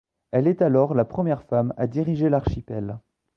Elle est alors la première femme à diriger l'archipel.